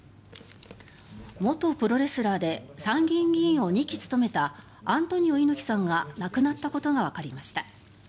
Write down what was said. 元プロレスラーで参議院議員を２期務めたアントニオ猪木さんが亡くなったことがわかりました。